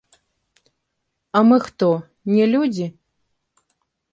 А мы хто, не людзі?